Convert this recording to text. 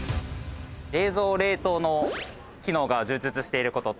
冷蔵冷凍の機能が充実していることと。